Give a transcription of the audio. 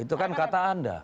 itu kan kata anda